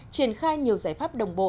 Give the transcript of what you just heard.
triển khai nhiều giải pháp đồng bộ